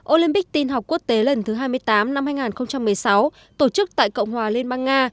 olympic tin học quốc tế lần thứ hai mươi tám năm hai nghìn một mươi sáu tổ chức tại cộng hòa liên bang nga